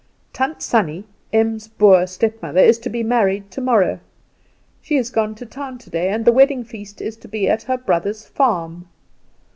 "Tant Sannie, Em's Boer stepmother, is to be married tomorrow. She is gone to town today, and the wedding feast is to be at her brother's farm.